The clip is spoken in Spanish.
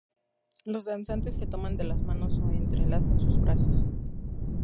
Los danzantes se toman de las manos o entrelazan sus brazos.